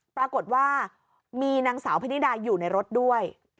ปรากฏว่ามีนางสาวพนิดาอยู่ในรถด้วย